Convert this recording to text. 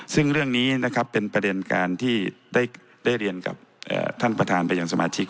ซึ่งเรื่องนี้นะครับเป็นประเด็นการที่ได้เรียนกับท่านประธานไปยังสมาชิก